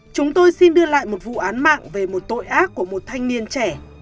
chúng tôi xin đưa lại một vụ án mạng về một tội ác của một thanh niên trẻ